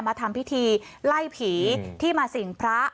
มาทำพิธีไล่ผีที่มาสิ่งพระ